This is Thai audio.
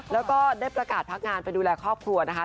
แล้วก็ได้ประกาศพักงานไปดูแลครอบครัวนะคะ